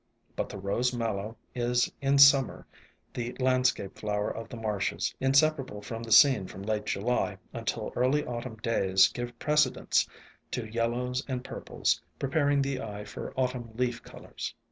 But the Rose Mallow is in Summer the landscape flower of the marshes, inseparable from the scene from late July until early Autumn days give precedence to yellows and pur ples, preparing the eye for Autumn leaf colors.